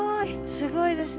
すごいですね。